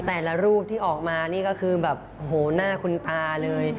แต่ละรูปที่ออกมานี่ก็คือแบบโหหน้าคุณตาเลย